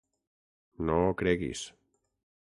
-No ho creguis.